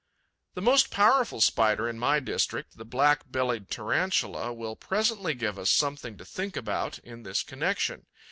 The most powerful Spider in my district, the Black bellied Tarantula, will presently give us something to think about, in this connection.